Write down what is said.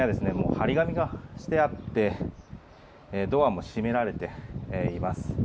貼り紙がしてあってドアも閉められています。